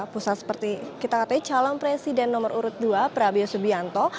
pusat seperti kita katanya calon presiden nomor urut dua prabowo subianto